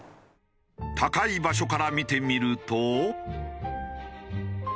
高い場所から見てみると。